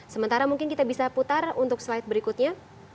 sementara mungkin kita bisa putar untuk slide berikutnya